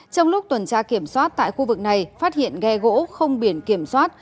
trong lúc tuần tra kiểm soát tại khu vực này phát hiện ghe gỗ không biển kiểm soát